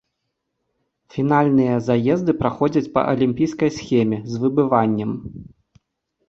Фінальныя заезды праходзяць па алімпійскай схеме, з выбываннем.